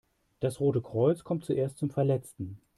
Das Rote Kreuz kommt zuerst zum Verletzten.